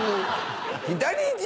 左。